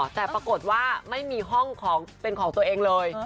แต่ปรากฏว่าไม่มีห้องของเป็นของตัวเองเลย